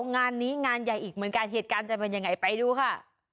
งานนี้งานใหญ่อีกเหมือนกันเหตุการณ์จะเป็นยังไงไปดูค่ะ